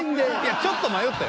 ちょっと迷ったよ。